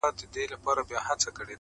زه پوهېږم شیدې سپیني دي غوا توره!!